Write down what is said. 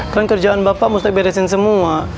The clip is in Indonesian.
kan kerjaan bapak mesti beresin semua